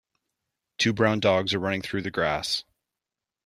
Two brown dogs are running through the grass.